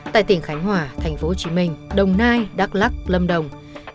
tại tỉnh khánh hòa tp hcm đồng nai đắk lắc lâm đồng